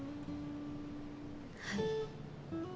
はい。